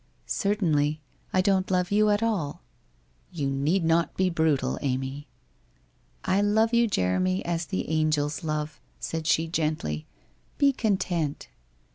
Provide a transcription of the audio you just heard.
' Certainly. I don't love you at all.' ' You need not be brutal, Amy.' ' I love you, Jeremy, as the angels love,' said she gently. ' Be content.'